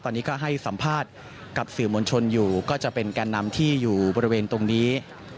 ตอนนี้ก็ให้สัมภาษณ์กับสื่อมวลชนอยู่ก็จะเป็นแก่นำที่อยู่บริเวณตรงนี้